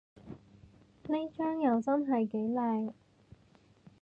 呢張又真係幾靚